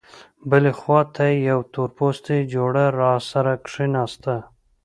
بلې خوا ته یوه تورپوستې جوړه راسره کېناسته.